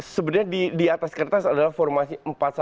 sebenarnya di atas kertas adalah formasi empat satu